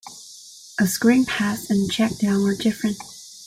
A screen pass and a checkdown are different.